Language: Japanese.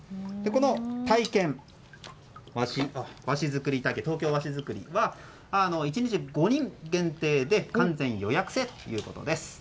この体験、東京和紙作りは１日５人限定で完全予約制ということです。